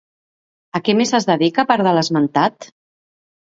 A què més es dedica a part de l'esmentat?